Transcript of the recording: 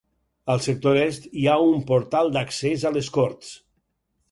Al sector Est hi ha un portal d'accés a les corts.